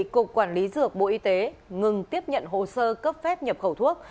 cục quản lý dược bộ y tế ngừng tiếp nhận hồ sơ cấp phép nhập khẩu thuốc